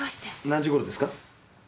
何時頃ですか？